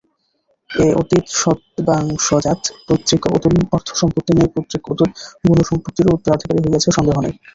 এ অতিসদ্বংশজাত পৈতৃক অতুল অর্থসম্পত্তির ন্যায় পৈতৃক অতুল গুণসম্পত্তিরও উত্তরাধিকারী হইয়াছে সন্দেহ নাই।